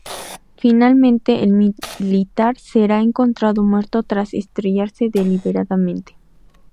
Finalmente el militar será encontrado muerto tras estrellarse deliberadamente.